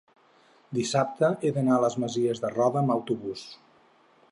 dissabte he d'anar a les Masies de Roda amb autobús.